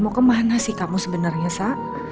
mau kemana sih kamu sebenarnya sah